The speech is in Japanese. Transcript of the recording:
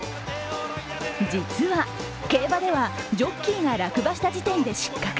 実は、競馬ではジョッキーが落馬した時点で失格。